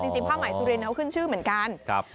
จริงผ้าใหม่สุรินเขาขึ้นชื่อเหมือนกัน